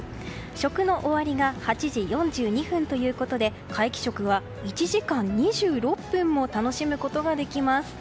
食の終わりが８時４２分ということで皆既食は１時間２６分も楽しむことができます。